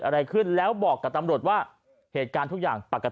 อะไรขึ้นแล้วบอกกับตำรวจว่าเหตุการณ์ทุกอย่างปกติ